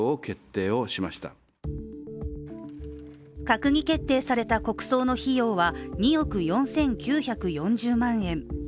閣議決定された国葬の費用は２億４９４０万円。